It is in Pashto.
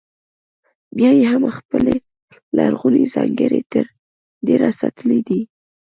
بیا یې هم خپلې لرغونې ځانګړنې تر ډېره ساتلې دي.